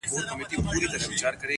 وهل مي يکطرفه پيشي کوچ هم خوړلي دي.